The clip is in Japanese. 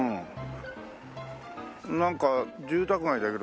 なんか住宅街だけど。